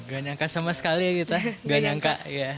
gak nyangka sama sekali ya kita gak nyangka ya